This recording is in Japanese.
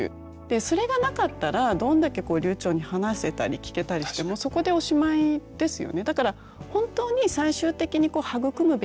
それがなかったらどんだけ流ちょうに話せたり聞けたりしてもそこでおしまいですよね。